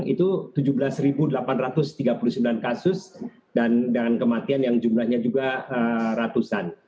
itu tujuh belas delapan ratus tiga puluh sembilan kasus dan dengan kematian yang jumlahnya juga ratusan